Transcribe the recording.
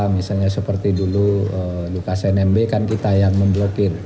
misalnya seperti dulu luka cnmb kan kita yang memblokir